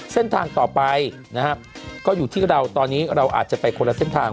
เส้นทางต่อไปนะครับก็อยู่ที่เราตอนนี้เราอาจจะไปคนละเส้นทาง